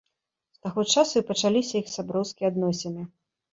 З таго часу і пачаліся іх сяброўскія адносіны.